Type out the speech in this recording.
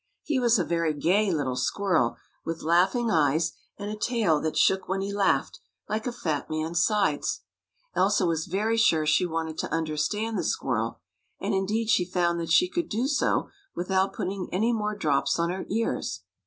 He was a very gay little squirrel, with laughing eyes and a tail that shook when he laughed, like a fat man's sides. Elsa was very sure she wanted to understand the squirrel, and indeed she found that she could do so without putting any more drops on her ears.